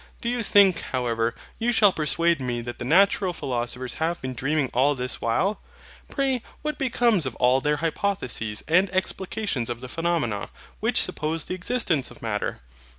Do you think, however, you shall persuade me that the natural philosophers have been dreaming all this while? Pray what becomes of all their hypotheses and explications of the phenomena, which suppose the existence of Matter?